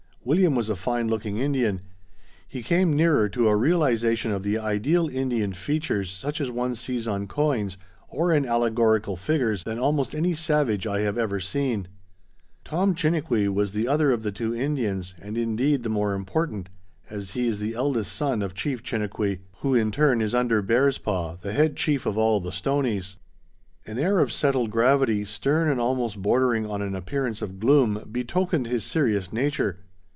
William was a fine looking Indian. He came nearer to a realization of the ideal Indian features such as one sees on coins, or in allegorical figures, than almost any savage I have ever seen. Tom Chiniquy was the other of the two Indians, and indeed the more important, as he is the eldest son of Chief Chiniquy, who in turn is under Bears' Paw, the head chief of all the Stoneys. An air of settled gravity, stern and almost bordering on an appearance of gloom, betokened his serious nature.